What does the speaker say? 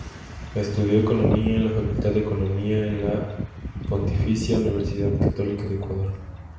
Estudió Economía en la Facultad de Economía en la Pontificia Universidad Católica del Ecuador.